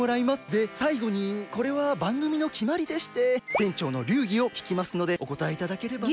でさいごにこれはばんぐみのきまりでして店長の流儀をききますのでおこたえいただければ。